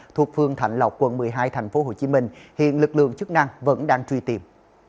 thuộc phương thạnh lộc quận một mươi hai tp hcm hiện lực lượng chức năng vẫn đang truy tìm